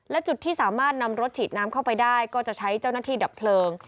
และจุดที่สามารถนำรถฉีดน้ำเข้าไปได้ก็จะใช้เจ้าหน้าที่ดับเพลิง